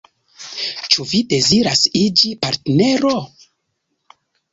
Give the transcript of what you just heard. Ĉu vi deziras iĝi partnero?